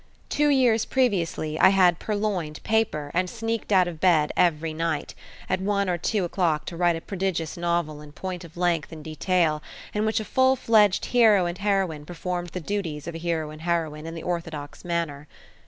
Two years previously I had purloined paper and sneaked out of bed every night at one or two o'clock to write a prodigious novel in point of length and detail, in which a full fledged hero and heroine performed the duties of a hero and heroine in the orthodox manner.